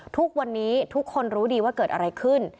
ทุกวันนี้ทุกคนรู้ดีว่าเกิดอะไรขึ้น